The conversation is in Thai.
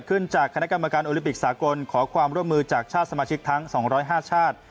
อุลิปิกสากลขอความร่วมมือจากชาติสมาชิกทั้ง๒๐๕ชาติ